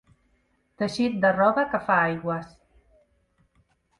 Teixit de roba que fa aigües.